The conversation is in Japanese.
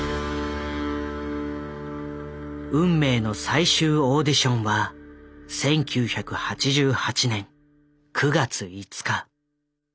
運命の最終オーディションは１９８８年９月５日。